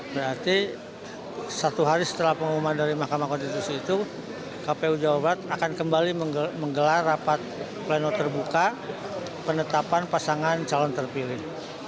berarti satu hari setelah pengumuman dari mahkamah konstitusi itu kpu jawa barat akan kembali menggelar rapat pleno terbuka penetapan pasangan calon terpilih